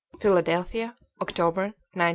PHILADELPHIA, OCTOBER, 1905.